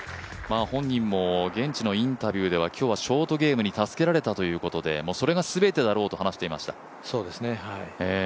本人も現地のインタビューでは今日はショートゲームに助けられたということでそれが全てだろうと話していました。